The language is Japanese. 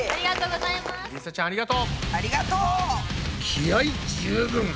気合い十分！